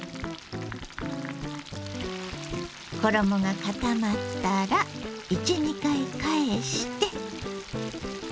衣が固まったら１２回返して。